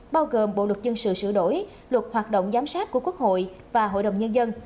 bao gồm bộ luật dân sự sửa đổi luật hoạt động giám sát của quốc hội và hội đồng nhân dân